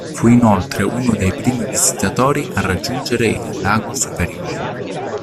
Fu inoltre uno dei primi visitatori a raggiungere il Lago Superiore.